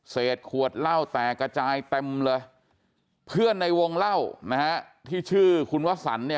ขวดเหล้าแตกกระจายเต็มเลยเพื่อนในวงเล่านะฮะที่ชื่อคุณวสันเนี่ย